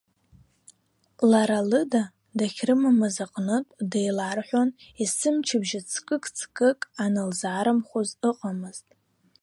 Лара, лыда дахьрымамыз аҟнытә, деиларҳәон, есымчыбжьа ҵкыкҵкык анылзаарымхәоз ыҟамызт.